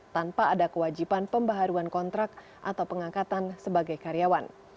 tanpa ada kewajiban pembaharuan kontrak atau pengangkatan sebagai karyawan